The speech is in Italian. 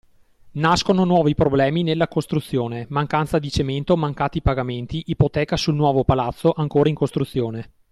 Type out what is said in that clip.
Nascono nuovi problemi nella costruzione mancanza di cemento, mancati pagamenti, ipoteca sul nuovo palazzo ancora in costruzione…